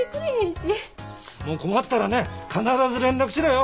困ったらね必ず連絡しろよ。